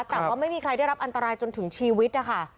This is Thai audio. แต่ว่าไม่มีใครได้รับอันตรายจนถึงชีวิตนะคะ